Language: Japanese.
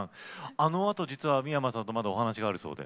あのあと、実は三山さんとお話があるそうで。